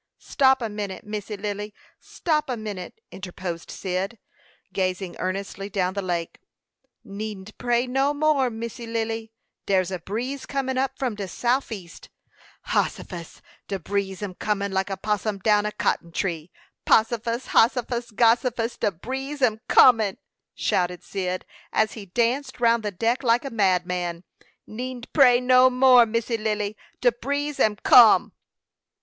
"Stop a minute, Missy Lily; stop a minute," interposed Cyd, gazing earnestly down the lake; "needn't pray no more, Missy Lily; dare's a breeze coming up from de souf east. Hossifus! de breeze am comin like a possum down a cotton tree! Possifus! Hossifus! Gossifus! De breeze am coming!" shouted Cyd, as he danced round the deck like a madman. "Needn't pray no more, Missy Lily. De breeze am come."